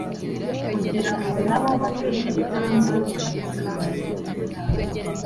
kugira ngo na bo batere intambwe ifatika mu mibereho yabo